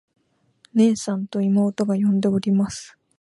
「ねえさん。」と妹が呼んでおります。